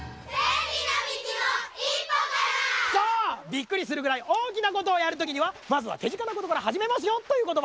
びっくりするぐらいおおきなことをやるときにはまずはてぢかなことからはじめますよということば。